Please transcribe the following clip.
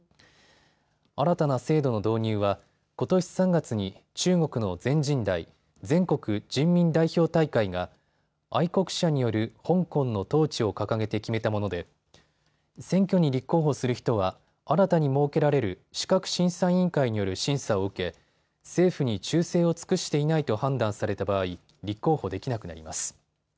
新たな制度の導入はことし３月に中国の全人代・全国人民代表大会が愛国者による香港の統治を掲げて決めたもので選挙に立候補する人は新たに設けられる資格審査委員会による審査を受け政府に忠誠を尽くしていないと判断された場合立候補できなくなります。